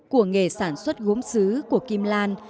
của nghề sản xuất gốm xứ của kim lan